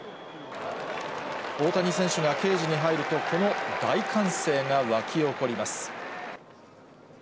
大谷選手がケージに入ると、この大歓声が沸き起こります。